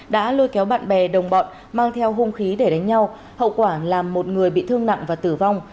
đã lôi kéo bạn bè đồng bọn mang theo hung khí để đánh nhau hậu quả làm một người bị thương nặng và tử vong